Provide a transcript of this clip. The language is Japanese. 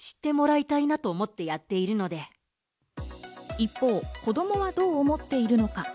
一方、子供はどう思っているのか？